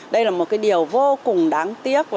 đây là một cái điều vô cùng đáng tiếc